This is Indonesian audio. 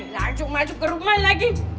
langsung masuk ke rumah lagi